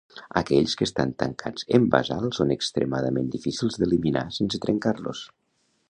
Aquells que estan tancats en basalt són extremadament difícils d'eliminar sense trencar-los.